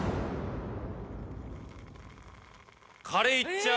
カレーいっちゃう？